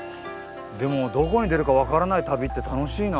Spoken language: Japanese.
でもどこに出るか分からない旅って楽しいな。